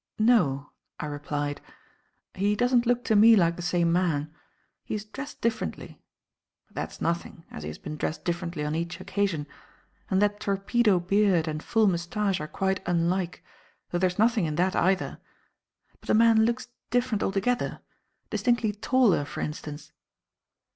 "No," I replied; "he doesn't look to me like the same man. He is dressed differently but that's nothing, as he has been dressed differently on each occasion and that torpedo beard and full moustache are quite unlike, though there's nothing in that either; but the man looks different altogether distinctly taller, for instance."